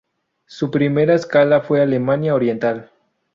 Su primera escala fue Alemania Oriental.